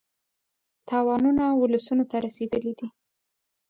تاوانونه اولسونو ته رسېدلي دي.